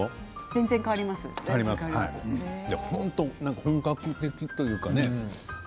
本格的というかね